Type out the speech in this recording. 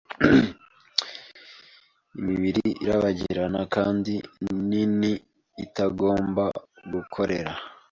"imibiri irabagirana kandi nini itagomba gukorera